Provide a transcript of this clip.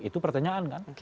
itu pertanyaan kan